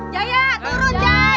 jaya turun jaya